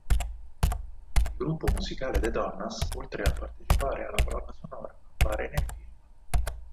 Il gruppo musicale The Donnas oltre a partecipare alla colonna sonora, appare nel film.